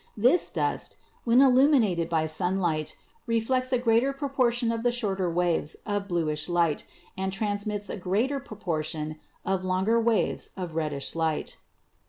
This dust, when illuminated by sun light, reflects a greater proportion of the shorter waves of bluish light and transmits a greater proportion of longer waves of reddish light."